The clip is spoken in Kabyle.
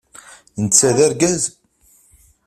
Netta d argaz?